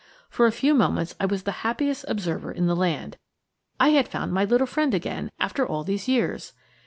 For a few moments I was the happiest observer in the land. I had found my little friend again, after all these years!